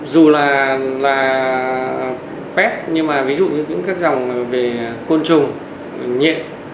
dù là pet nhưng mà ví dụ các dòng về côn trùng nhiễm